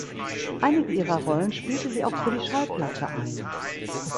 Einige ihrer Rollen spielte sie auch für die Schallplatte ein.